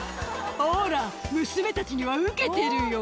「ほら娘たちにはウケてるよ」